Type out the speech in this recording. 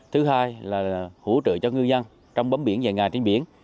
thứ hai là hỗ trợ cho ngư dân trong bấm biển dài ngài trên biển